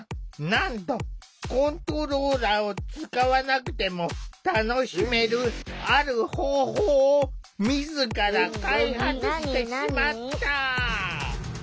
なんとコントローラーを使わなくても楽しめるある方法を自ら開発してしまった。